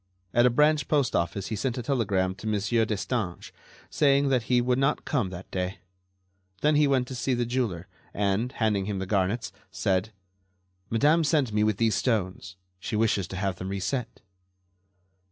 At a branch postoffice he sent a telegram to Monsieur Destange, saying that he could not come that day. Then he went to see the jeweler and, handing him the garnets, said: "Madame sent me with these stones. She wishes to have them reset."